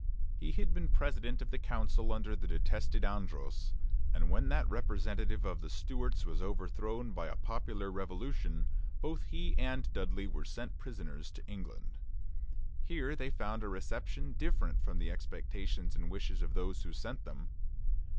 He had been president of the council under the detested Andros, and when that representative of the Stuarts was overthrown by a popular revolution, both he and Dudley were sent prisoners to England. Here they found a reception different from the expectations and wishes of those who sent them.